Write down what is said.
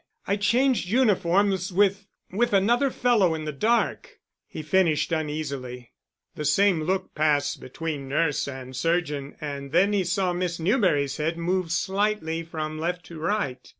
I changed uniforms with—with another fellow in the dark," he finished uneasily. The same look passed between nurse and surgeon and then he saw Miss Newberry's head move slightly from left to right.